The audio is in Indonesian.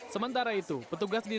sementara itu petugas dinas kesehatan